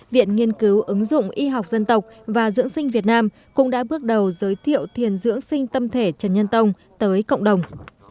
viện nghiên cứu ứng dụng y học dân tộc và dưỡng sinh việt nam cũng đã bước đầu giới thiệu thiền dưỡng sinh tâm thể trần nhân tông tới cộng đồng